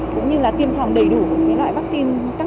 cũng như tiêm phòng đầy đủ các loại vaccine